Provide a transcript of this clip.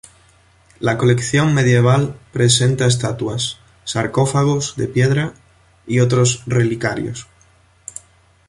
La colección medieval presenta estatuas, sarcófagos de piedra y otros relicarios.